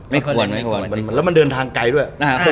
แล้วมันเดินทางไกลด้วย